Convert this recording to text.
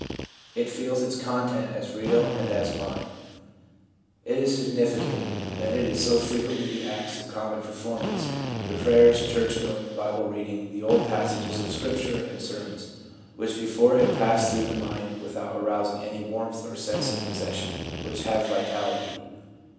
It feels its content as real and as mine. It is significant that it is so frequently the acts of common performance, the prayers, church going, Bible reading, the old passages of Scripture and sermons, which before had passed through the mind without arousing any warmth or sense of possession, which have vitality.